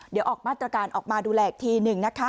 เดี๋ยวออกมาตรการออกมาดูแลอีกทีหนึ่งนะคะ